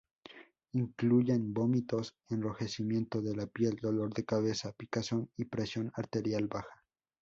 Incluyen vómitos, enrojecimiento de la piel, dolor de cabeza, picazón y presión arterial baja.